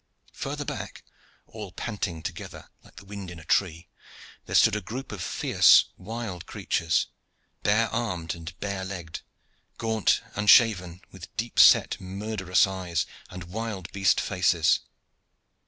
Further back all panting together, like the wind in a tree there stood a group of fierce, wild creatures, bare armed and bare legged, gaunt, unshaven, with deep set murderous eyes and wild beast faces.